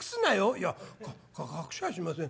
「いやか隠しゃしません。